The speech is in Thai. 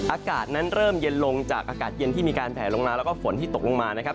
อากาศนั้นเริ่มเย็นลงจากอากาศเย็นที่มีการแผลลงมาแล้วก็ฝนที่ตกลงมานะครับ